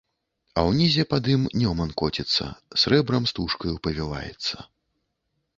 А ўнізе пад ім Нёман коціцца, срэбрам-стужкаю павіваецца.